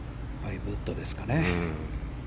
５ウッドですかね。